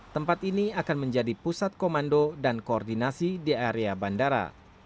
tempat ini akan menjadi pusat komando dan koordinasi di area bandara